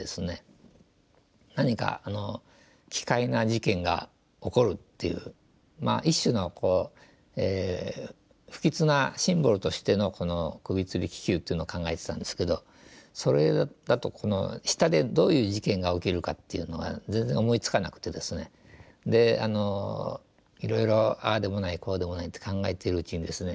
何か奇怪な事件が起こるっていうまあ一種の不吉なシンボルとしてのこの首吊り気球っていうのを考えてたんですけどそれだとこの下でどういう事件が起きるかっていうのが全然思いつかなくてですねでいろいろああでもないこうでもないって考えているうちにですね